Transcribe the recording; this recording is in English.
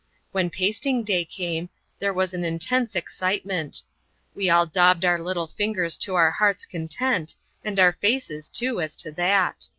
When pasting day came, there was an intense excitement. We all daubed our little fingers to our heart's content, and our faces too, as to that.